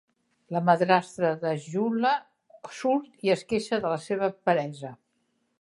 La madrastra de Djula surt i es queixa de la seva peresa.